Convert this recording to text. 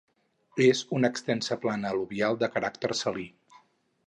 És una extensa plana al·luvial de caràcter salí.